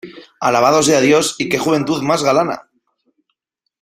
¡ alabado sea Dios, y qué juventud más galana!